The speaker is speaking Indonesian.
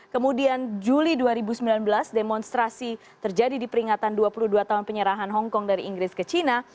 kemudian juli dua ribu sembilan belas demonstrasi terjadi di peringatan dua puluh dua tahun penyerahan hongkong dari inggris ke china